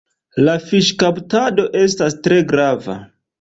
La fiŝkaptado estas tre grava.